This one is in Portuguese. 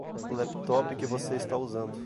O laptop que você está usando